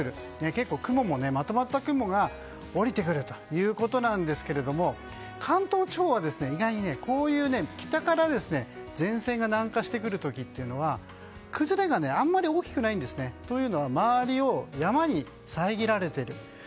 結構、まとまった雲が下りてくるということなんですが関東地方は意外に北から前線が南下してくる時は崩れがあまり大きくないんですね。というのは周りを山に遮られている。